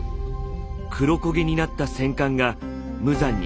黒焦げになった戦艦が無残に沈んでいます。